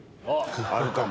あるかも。